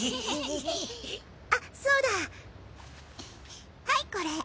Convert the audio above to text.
あそうだ。はいこれ。